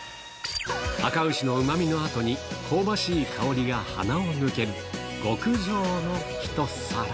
あか牛のうまみのあとに、香ばしい香りが鼻を抜ける、極上の一皿。